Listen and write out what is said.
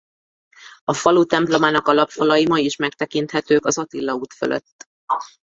A falu templomának alapfalai ma is megtekinthetők az Attila út fölött.